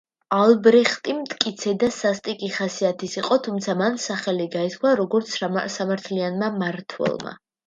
ალბრეხტი მტკიცე და სასტიკი ხასიათის იყო, თუმცა მან სახელი გაითქვა როგორც, სამართლიანმა მმართველმა.